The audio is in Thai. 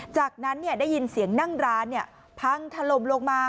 จากนั้นเนี่ยได้ยินเสียงนั่งร้านเนี่ยพังทะลมลงมา